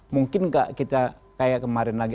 mungkin nggak kita kayak kemarin lagi